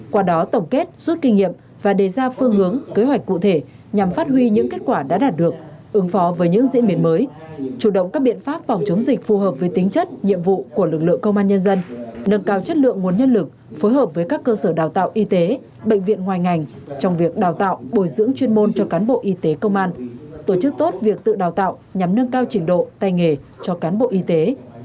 qua đó tổng kết rút kinh nghiệm và đề ra phương hướng kế hoạch cụ thể nhằm phát huy những kết quả đã đạt được ứng phó với những diễn biến mới chủ động các biện pháp phòng chống dịch phù hợp với tính chất nhiệm vụ của lực lượng công an nhân dân nâng cao chất lượng nguồn nhân lực phối hợp với các cơ sở đào tạo y tế bệnh viện ngoài ngành trong việc đào tạo bồi dưỡng chuyên môn cho cán bộ y tế công an tổ chức tốt việc tự đào tạo nhằm nâng cao trình độ tay nghề cho cán bộ y tế